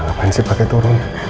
gak main sih pakai turun